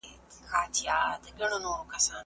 هغه غوښتل چې د خپلې لور غږ بیا واوري.